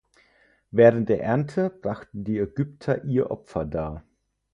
Während der Ernte brachten die Ägypter ihr Opfer dar.